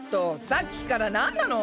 さっきからなんなの？